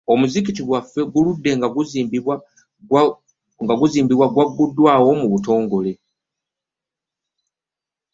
Omuzikiti gwaffe oguludde nga guzimbibwa gwagguddwaawo mu butongole.